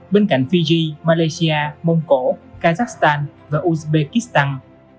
bên cạnh fiji malaysia mông cổ kazakhstan và uzbekistan